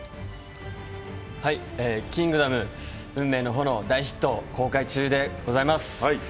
キングダム運命の炎、大ヒット公開中でございます。